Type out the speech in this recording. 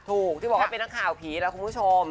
ถูกที่บอกว่าเป็นนักข่าวผีล่ะคุณผู้ชม